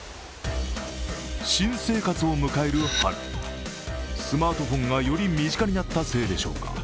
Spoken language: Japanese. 新生活を迎える春、スマートフォンがより身近になったせいでしょうか。